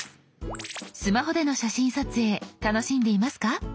スマホでの写真撮影楽しんでいますか？